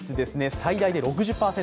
最大で６０％。